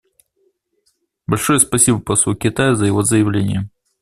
Большое спасибо послу Китая за его заявление.